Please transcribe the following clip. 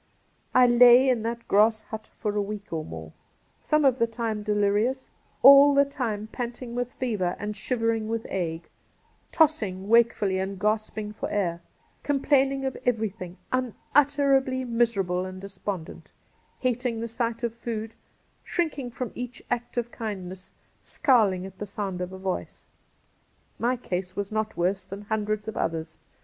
I lay in that grass hut for a week or more, some of the time delirious — ^all the time panting with fever and shivering with ague ; tossing wake fully and gasping for air ; complaining of every thing, unutterably miserable and despondent; hating the sight of food, shrinking from each act of kindness, scowling at the sound of a voice, My case was not worse than hundreds of others.